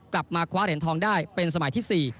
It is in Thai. กลับมาคว้าเหรียญทองได้เป็นสมัยที่๔